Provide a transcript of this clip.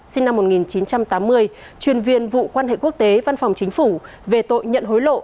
sinh năm một nghìn chín trăm tám mươi chuyên viên vụ quan hệ quốc tế văn phòng chính phủ về tội nhận hối lộ